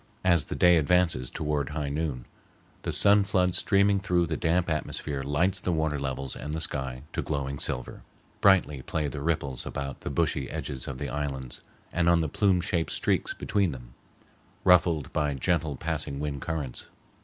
As the day advances toward high noon, the sun flood streaming through the damp atmosphere lights the water levels and the sky to glowing silver. Brightly play the ripples about the bushy edges of the islands and on the plume shaped streaks between them, ruffled by gentle passing wind currents.